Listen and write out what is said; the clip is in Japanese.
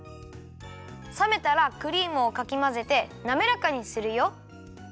さめたらクリームをかきまぜてなめらかにするよ。